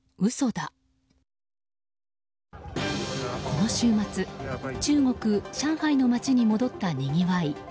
この週末、中国・上海の街に戻ったにぎわい。